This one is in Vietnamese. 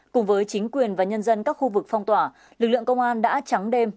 cùng với chính quyền và nhân dân các khu vực phong tỏa lực lượng công an đã trắng đêm